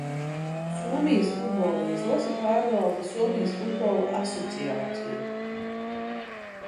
Somijas futbola izlasi pārvalda Somijas Futbola asociācija.